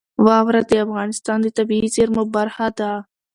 واوره د افغانستان د طبیعي زیرمو برخه ده.